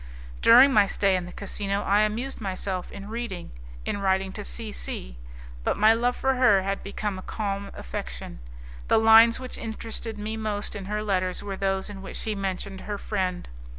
During my stay in the casino I amused myself in reading, in writing to C C , but my love for her had become a calm affection. The lines which interested me most in her letters were those in which she mentioned her friend.